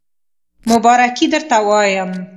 مبارکی درته وایم